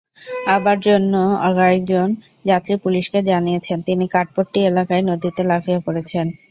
আবার অন্য কয়েকজন যাত্রী পুলিশকে জানিয়েছেন, তিনি কাঠপট্টি এলাকায় নদীতে লাফিয়ে পড়েছেন।